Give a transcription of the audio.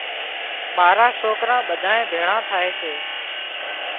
ماران سوڪران ٻڌانئين ڀيۯان ٿائي سي۔